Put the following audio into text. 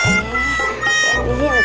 bisi ya mas